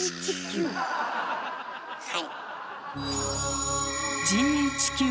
はい。